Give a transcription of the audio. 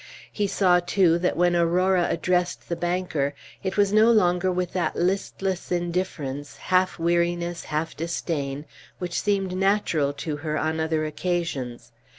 He saw, too, that when Aurora addressed the banker, it was no longer with that listless indifference, half weariness, half disdain, which seemed natural to her on other occasions.